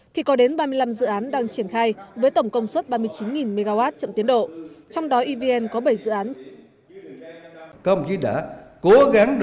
thì có đến ba mươi năm dự án đang triển khai với tổng công suất ba mươi chín mw chậm tiến độ trong đó evn có bảy dự án